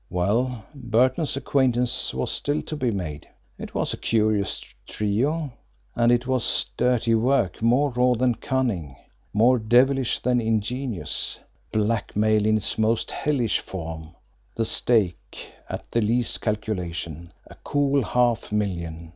Well, Burton's acquaintance was still to be made! It was a curious trio and it was dirty work, more raw than cunning, more devilish than ingenious; blackmail in its most hellish form; the stake, at the least calculation, a cool half million.